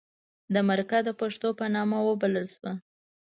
د مرکه د پښتو په نامه وبلله شوه.